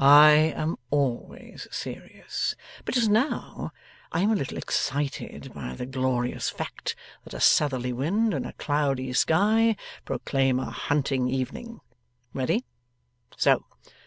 'I am always serious, but just now I am a little excited by the glorious fact that a southerly wind and a cloudy sky proclaim a hunting evening. Ready? So.